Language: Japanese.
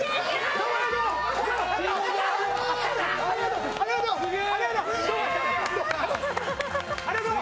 どうもありがとう！